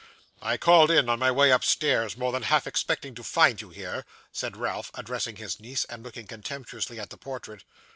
'I called in, on my way upstairs, more than half expecting to find you here,' said Ralph, addressing his niece, and looking contemptuously at the portrait.